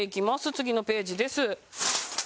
次のページです。